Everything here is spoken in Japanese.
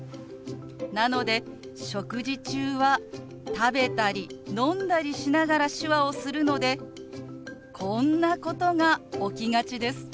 なので食事中は食べたり飲んだりしながら手話をするのでこんなことが起きがちです。